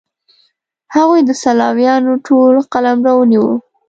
هغوی د سلاویانو ټول قلمرو ونیو.